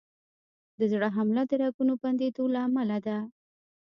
د زړه حمله د رګونو بندېدو له امله ده.